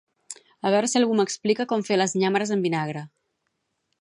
A veure si algú m'explica com fer les nyàmeres amb vinagre